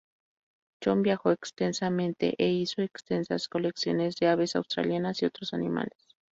John viajó extensamente e hizo extensas colecciones de aves australianas y otros animales.